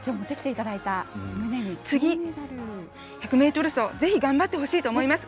次、１００ｍ走頑張ってほしいと思います。